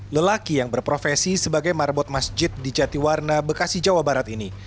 lelaki yang berprofesi sebagai marbot masjid di jatiwarna bekasi jawa barat ini